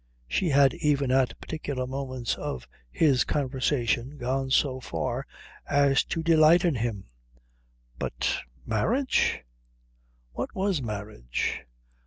She had even at particular moments of his conversation gone so far as to delight in him. But marriage? What was marriage?